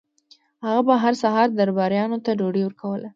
هغه به هر سهار درباریانو ته ډوډۍ ورکوله.